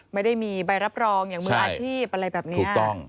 ไม่ได้มีใบรับรองอย่างมืออาชีพอะไรแบบนี้